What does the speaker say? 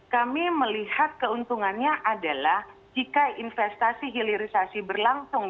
kami melihat keuntungannya adalah jika investasi hilirisasi berlangsung